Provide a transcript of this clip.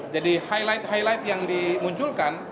jadi highlight highlight yang dimunculkan